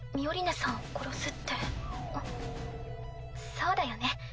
そうだよね。